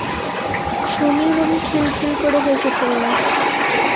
সুমী রুমী খিলখিল করে হেসে ফেলল।